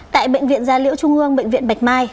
tại bệnh viện gia liễu trung ương bệnh viện bạch mai